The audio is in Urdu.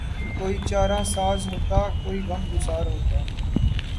کوئی چارہ ساز ہوتا کوئی غم گسار ہوتا